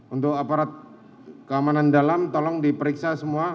untuk aparat keamanan dalam tolong diperiksa semua